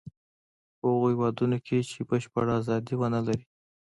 په هغو هېوادونو کې چې بشپړه ازادي و نه لري.